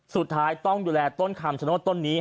สุดท้ายต้องดูแลต้นคำชโนธต้นนี้